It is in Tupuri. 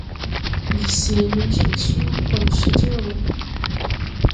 Ndi sèe nen ceg suu, kol cee ti go me.